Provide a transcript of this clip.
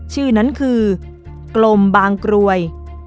ชื่อนั้นคือกลมบางกรวย